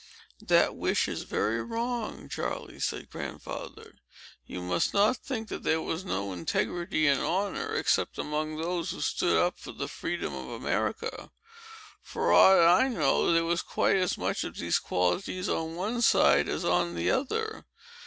"That wish is very wrong, Charley," said Grandfather. "You must not think that there was no integrity and honor, except among those who stood up for the freedom of America. For aught I know, there was quite as much of these qualities on one side as on the other.